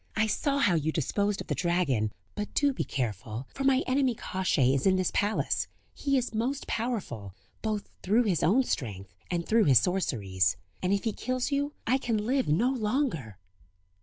I saw how you disposed of the dragon; but do be careful, for my enemy, Kosciey, is in this palace; he is most powerful, both through his own strength, and through his sorceries; and if he kills you I can live no longer.